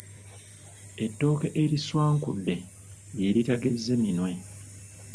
Ettooke eriswankudde lye liritagezze minwe.